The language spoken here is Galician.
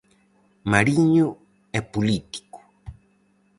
Mariño e político.